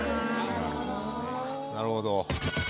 なるほどね。